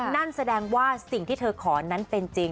นั่นแสดงว่าสิ่งที่เธอขอนั้นเป็นจริง